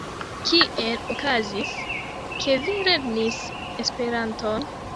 Kiel okazis, ke vi lernis Esperanton?